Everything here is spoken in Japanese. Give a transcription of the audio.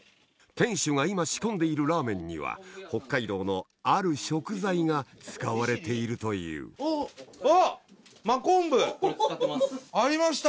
店主が今仕込んでいるラーメンには北海道のある食材が使われているというあっ真昆布！ありました！